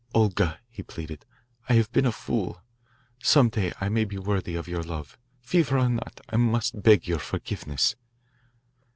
"Olga," he pleaded, "I have been a fool. Some day I may be worthy of your love. Fever or not, I must beg your forgiveness."